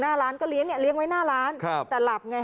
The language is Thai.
หน้าร้านก็เลี้ยงเนี่ยเลี้ยงไว้หน้าร้านครับแต่หลับไง